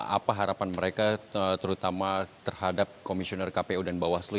apa harapan mereka terutama terhadap komisioner kpu dan bawaslu